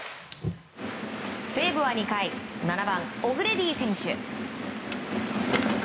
西武は２回７番、オグレディ選手。